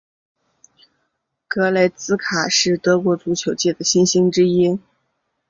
格雷茨卡是德国足球界的新星之一。